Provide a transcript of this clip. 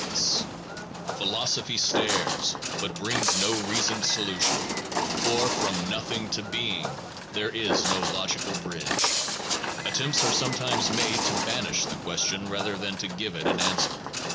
39 SOME PROBLEMS OF PHILOSOPHY phy stares, but brings no reasoned solution, for from nothing to being there is no logical bridge. }. Attempts are sometimes made to banish the question rather than to give it an answer.